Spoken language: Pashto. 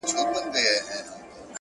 ترکاڼي د بيزو کار نه دئ.